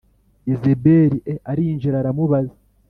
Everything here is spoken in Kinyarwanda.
Yezebeli e arinjira aramubaza